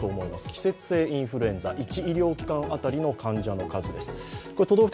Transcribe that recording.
季節性インフルエンザ、１医療機関当たりの患者数です。